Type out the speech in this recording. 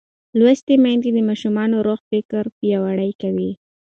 لوستې میندې د ماشوم روغ فکر پیاوړی کوي.